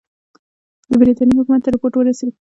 د برټانیې حکومت ته رپوټ ورسېد.